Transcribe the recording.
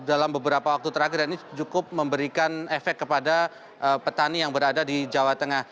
jadi dalam beberapa waktu terakhir ini cukup memberikan efek kepada petani yang berada di jawa tengah